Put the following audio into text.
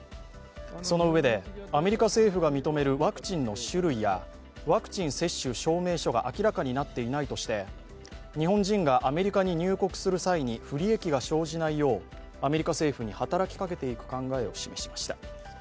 そのうえで、アメリカ政府が認めるワクチンの種類やワクチン接種証明書が明らかになっていないとして日本人がアメリカに入国する際に不利益が生じないようアメリカ政府に働きかけていく考えを示しました。